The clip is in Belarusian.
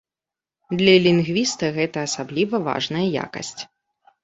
Для лінгвіста гэта асабліва важная якасць.